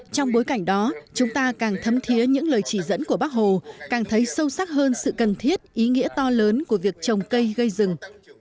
trong bối cảnh đó chúng ta càng thấm thiế những lời chỉ dẫn của bác hồ càng thấy sâu sắc hơn sự cần thiết ý nghĩa to lớn của việc trồng cây gây rừng